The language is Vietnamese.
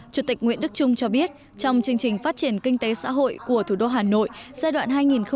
chủ tịch nguyễn đức trung cho biết trong chương trình phát triển kinh tế xã hội của thủ đô hà nội giai đoạn hai nghìn một mươi sáu hai nghìn hai mươi